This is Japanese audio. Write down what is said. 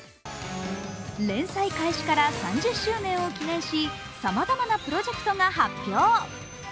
連載開始から３０周年を記念し、さまざまなプロジェクトが発表。